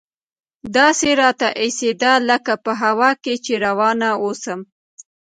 داسې راته اېسېده لکه په هوا کښې چې روان اوسم.